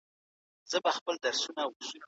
هره ورځ به دي تورونه ډک له ښکار سي